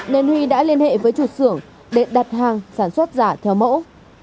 nên huy đã liên hệ với chủ xưởng để đặt hàng sản xuất giả theo mẫu